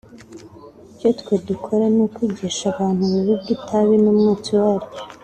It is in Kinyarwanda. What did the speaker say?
Icyo twe dukora ni ukwigisha abantu ububi bw’itabi n’umwotsi waryo